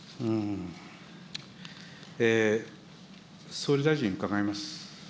総理大臣に伺います。